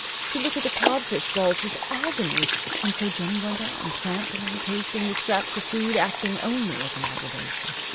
To look at the codfish balls was agony. And so Jennie went on, sampling, tasting, the scraps of food acting only as an aggravation.